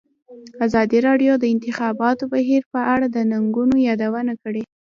ازادي راډیو د د انتخاباتو بهیر په اړه د ننګونو یادونه کړې.